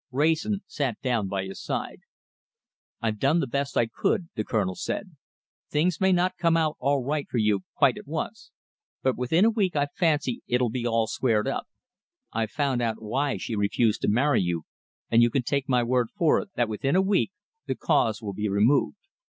Wrayson sat down by his side. "I've done the best I could," the Colonel said. "Things may not come all right for you quite at once, but within a week I fancy it'll be all squared up. I've found out why she refused to marry you, and you can take my word for it that within a week the cause will be removed."